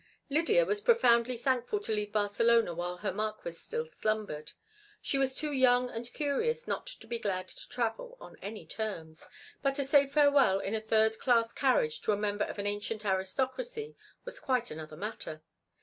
Lydia was profoundly thankful to leave Barcelona while her marquis still slumbered; she was too young and curious not to be glad to travel on any terms, but to say farewell in a third class carriage to a member of an ancient aristocracy was quite another matter.